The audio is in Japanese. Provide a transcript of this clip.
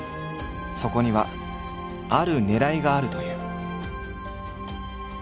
そこにはあるねらいがあるという。